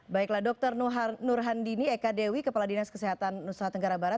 baiklah dokter nurhandini eka dewi kepala dinas kesehatan nusa tenggara barat